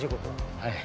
はい。